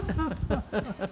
ハハハハ。